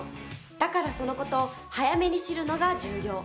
だからその事を早めに知るのが重要。